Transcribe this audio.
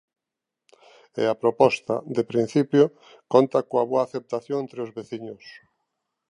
E a proposta, de principio, conta coa boa aceptación entre os veciños.